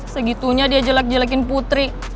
segitunya dia jelek jelekin putri